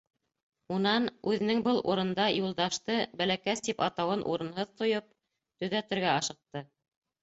Унан, үҙенең был урында Юлдашты «бәләкәс» тип атауын урынһыҙ тойоп, төҙәтергә ашыҡты.